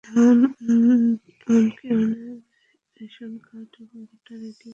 এমনকি উনার ration card বা ভোটার আইডিও নেই।